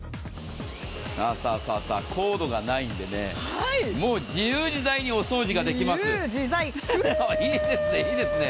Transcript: さぁさぁコードがないんでね、もう自由自在にお掃除できます。